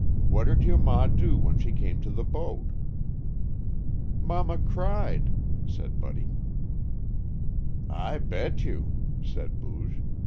What did your ma do when she came to the boat?" "Mama cried," said Buddy. "I bet you!" said Booge.